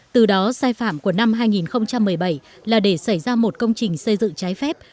từ đó sai phạm của năm hai nghìn một mươi bảy là để xảy ra một công trình xây dựng trái phép